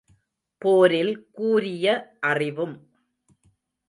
போரில் கூரிய அறிவும்.